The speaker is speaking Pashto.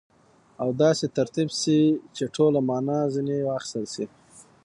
او داسي ترتیب سي، چي ټوله مانا ځني واخستل سي.